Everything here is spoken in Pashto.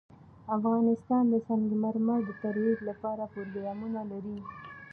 افغانستان د سنگ مرمر د ترویج لپاره پروګرامونه لري.